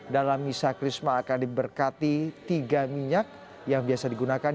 dalam misa krisma akan diberkati tiga minyak yang biasa digunakan